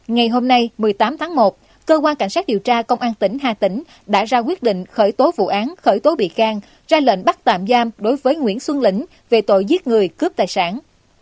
ngày hôm nay một mươi tám tháng một cơ quan cảnh sát điều tra công an tỉnh hà tĩnh đã ra quyết định khởi tố vụ án khởi tố bị can ra lệnh bắt tạm giam đối với nguyễn xuân lĩnh về tội giết người cướp tài sản